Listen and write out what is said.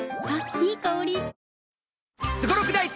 いい香り。